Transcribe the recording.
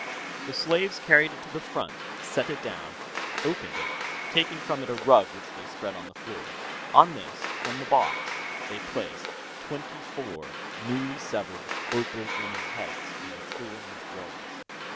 The slaves carried it to the front, set it down, and opened it, taking from it a rug which they spread on the floor. On this, from the box, they placed twenty four newly severed opal grinning heads, in four neat rows.